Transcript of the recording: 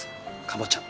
かぼちゃ。